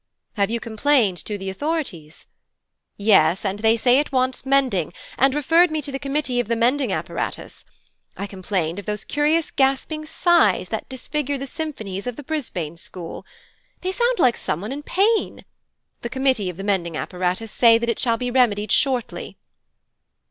'Have you complained to the authorities?' 'Yes, and they say it wants mending, and referred me to the Committee of the Mending Apparatus. I complained of those curious gasping sighs that disfigure the symphonies of the Brisbane school. They sound like some one in pain. The Committee of the Mending Apparatus say that it shall be remedied shortly.'